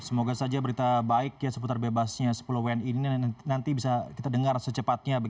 semoga saja berita baik ya seputar bebasnya sepuluh wni ini nanti bisa kita dengar secepatnya